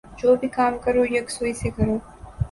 جو بھی کام کرو یکسوئی سے کرو